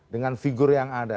dengan figur yang ada